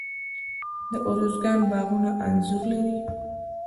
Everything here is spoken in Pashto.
د ارزګان باغونه انځر لري.